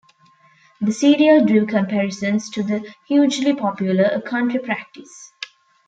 The serial drew comparisons to the hugely popular "A Country Practice".